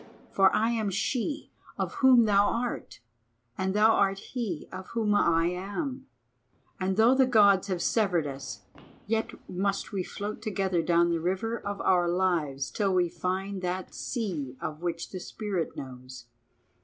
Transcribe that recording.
For I am She of whom thou art, and thou art He of whom I am, and though the Gods have severed us, yet must we float together down the river of our lives till we find that sea of which the Spirit knows.